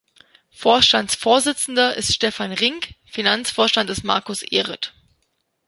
Vorstandsvorsitzender ist Stefan Rinck, Finanzvorstand ist Markus Ehret.